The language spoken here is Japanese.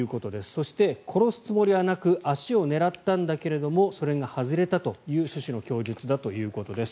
そして、殺すつもりはなく足を狙ったんだけれどもそれが外れたという趣旨の供述だということです。